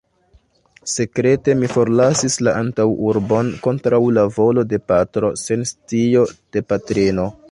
Sekrete mi forlasis la antaŭurbon, kontraŭ la volo de patro, sen scio de patrino.